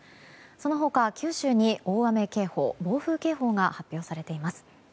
その他、九州に大雨警報、暴風警報が発表されています。